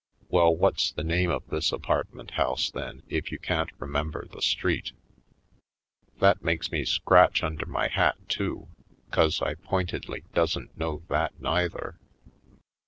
Well, what's the name of this apartment house, then, if you can't remember the street?" That makes me scratch under my hat, too. 'Cause I pointedly doesn't know that neither.